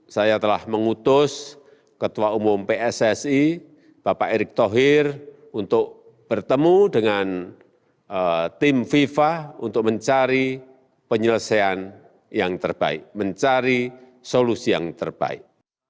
saya telah mengutus ketua umum pssi bapak erick thohir untuk bertemu dengan tim fifa untuk mencari penyelesaian yang terbaik mencari solusi yang terbaik